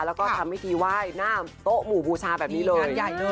แล้วก็ทำวิธีไหว้หน้าโต๊ะหมู่บูชาแบบนี้เลย